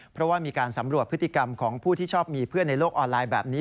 เพราะว่ามีการสำรวจพฤติกรรมของผู้ที่ชอบมีเพื่อนในโลกออนไลน์แบบนี้